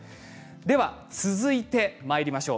では続いてまいりましょう。